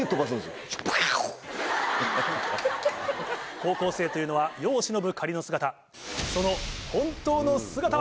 高校生というのは世を忍ぶ仮の姿。